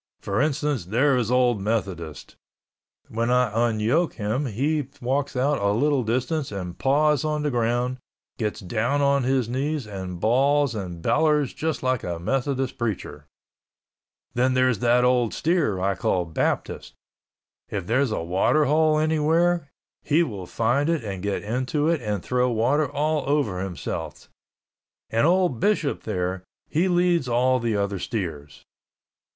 For instance, there is old Methodist—when I unyoke him he walks out a little distance and paws on the ground, gets down on his knees and balls and bellers just like a Methodist preacher. Then there is that old steer I call Baptist. If there's a water hole anywhere, he will find it and get into it and throw water all over himself—and old Bishop there, he leads all the other steers."